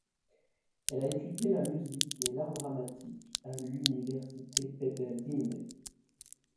Elle a étudié la musique et l'art dramatique à l'université Pepperdine.